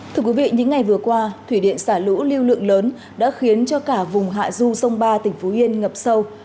thưa quý vị những ngày vừa qua thủy điện xả lũ lưu lượng lớn đã khiến cho cả vùng hạ du sông ba tỉnh phú yên ngập sâu